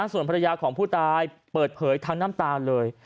ส่วนภรรยาของผู้ตายเปิดเผยทั้งน้ำตาเลย